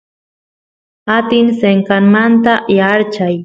atin senqanmanta yaarchay